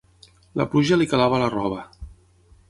La pluja li calava la roba.